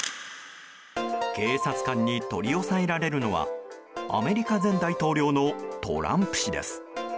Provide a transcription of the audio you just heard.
警察官に取り押さえられるのはアメリカ前大統領のトランプ氏です。